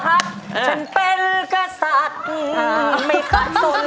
ฉันเป็นอักษัตริย์ไม่ค่อนส่ง